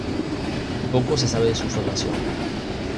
Poco se sabe de su formación.